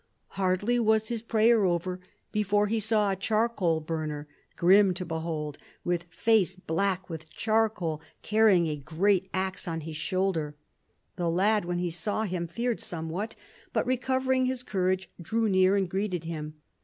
Hardly was his prayer over before he saw a charcoal burner, grim to behold, with face black with charcoal, carrying a great axe on his shoulder. The lad, when he saw him, feared somewhat, but, recovering his courage, drew near and greeted him.